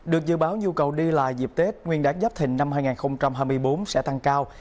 được dự báo nhu cầu đi lại dịp tết nguyên đáng giáp thịnh năm hai nghìn hai mươi bốn sẽ tăng cao